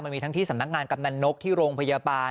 มีทั้งที่สำนักงานกำนันนกที่โรงพยาบาล